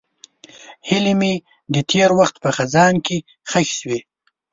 هیلې مې د تېر وخت په خزان کې ښخې شوې.